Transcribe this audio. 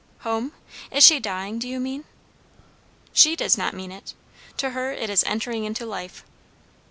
"Home? Is she dying, do you mean?" "She does not mean it. To her, it is entering into life."